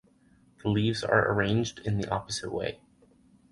The leaves are arranged in the opposite way.